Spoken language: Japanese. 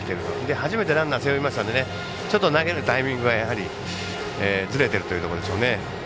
初めてランナーを背負いましたんで投げるタイミングがずれているというところでしょうかね。